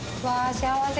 幸せ。